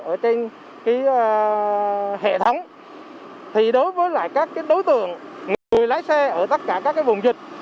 ở trên hệ thống thì đối với lại các đối tượng người lái xe ở tất cả các vùng dịch